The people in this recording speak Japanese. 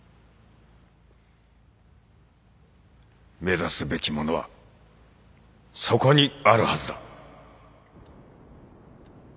目指すべきものはそこにあるはずだ。